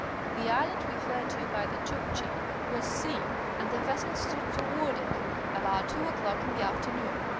The island referred to by the Chukchi was seen and the vessel stood toward it, about two o'clock in the afternoon.